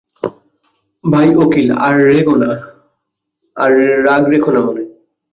ভাই অখিল, আর রাগ রেখো না মনে।